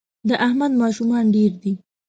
د احمد ماشومان ډېر دي